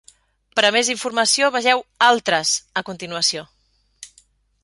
Per a més informació, vegeu "Altres" a continuació.